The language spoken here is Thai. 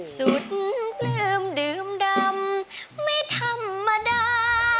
สุดปลื้มดื่มดำไม่ธรรมดา